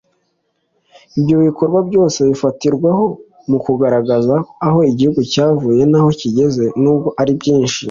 Ibyo bikorwa byose bifatirwaho mu kugaragaza aho igihugu cyavuye n’aho kigeze nubwo ari byinshi